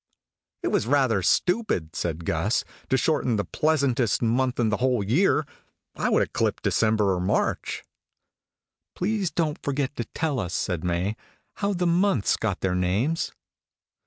"It was rather stupid," said Gus, "to shorten the pleasantest month in the whole year. I would have clipped December or March." "Please don't forget to tell us," said May, "how the months got their names."